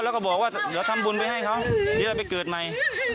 แล้วก็บอกว่าเดี๋ยวทำบุญไปให้เขาเดี๋ยวเราไปเกิดใหม่